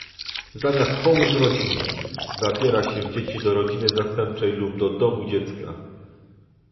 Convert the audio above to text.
Zamiast pomóc rodzinie, zabiera się dzieci do rodziny zastępczej lub do domu dziecka